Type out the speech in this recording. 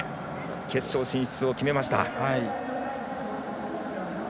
決勝進出を決めました。